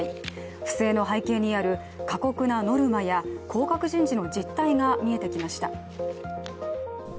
不正の背景にある過酷なノルマや降格人事の実態が見えてきました。